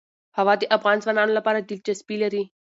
هوا د افغان ځوانانو لپاره دلچسپي لري.